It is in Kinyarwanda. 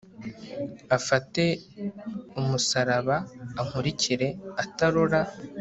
afate umusaraba ankurikira atarora